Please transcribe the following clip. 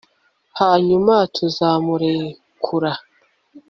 hanyuma tuzamurekura